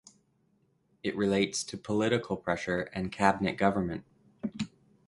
It relates to political pressure and cabinet government.